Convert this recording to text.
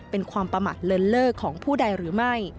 เป็นความประมาทเลินเล่อของผู้ใดหรือไม่